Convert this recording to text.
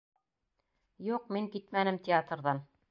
Юҡ, мин китмәнем театрҙан.